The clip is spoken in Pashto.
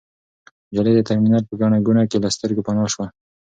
نجلۍ د ترمینل په ګڼه ګوڼه کې له سترګو پناه شوه.